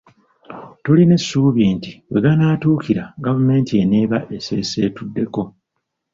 Tulina essuubi nti we ganaatuukira gavumenti enaaba eseesetuddeko.